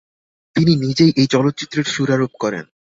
তিনি নিজেই এই চলচ্চিত্রের সুরারোপ করেন।